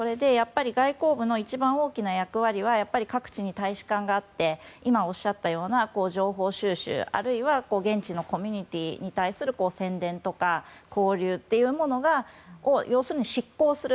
外交部の一番大きな役割は各地に大使館があって今、おっしゃったような情報収集あるいは現地のコミュニティーに対する宣伝とか交流というものを執行する。